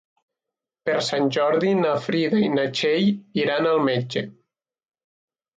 Per Sant Jordi na Frida i na Txell iran al metge.